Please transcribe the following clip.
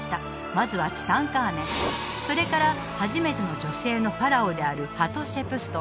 まずはツタンカーメンそれから初めての女性のファラオであるハトシェプスト